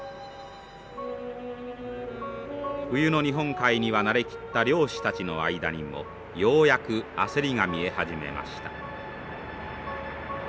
冬の日本海には慣れきった漁師たちの間にもようやく焦りが見え始めました。